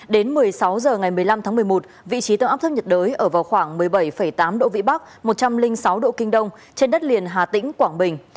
đến một mươi sáu h ngày một mươi năm tháng một mươi một vị trí tâm áp thấp nhiệt đới ở vào khoảng một mươi bảy tám độ vĩ bắc một trăm linh sáu độ kinh đông trên đất liền hà tĩnh quảng bình